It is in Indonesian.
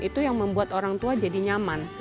itu yang membuat orang tua jadi nyaman